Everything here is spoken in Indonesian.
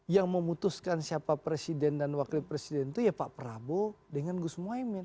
yang memutuskan siapa presiden dan wakil presiden itu ya pak prabowo dengan gus muhaymin